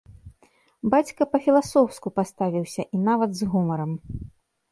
Бацька па-філасофску паставіўся, і нават з гумарам.